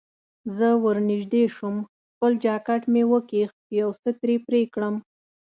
زه ورنژدې شوم، خپل جانکټ مې وکیښ چې یو څه ترې پرې کړم.